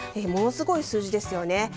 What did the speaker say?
ものすごい数字ですよね。